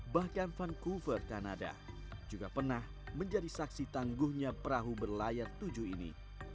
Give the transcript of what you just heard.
bahkan vancouver kanada juga pernah menjadi saksi tangguhnya perahu berlayar tujuh ini